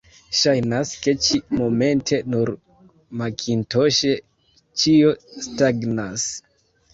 Ŝajnas, ke ĉi-momente nur makintoŝe ĉio stagnas.